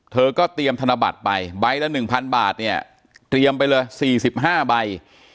เธอก็เตรียมธนบัตรไปใบละ๑๐๐บาทเนี่ยเตรียมไปเลย๔๕ใบ